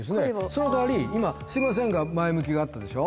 その代わり今「すみません」が前向きがあったでしょ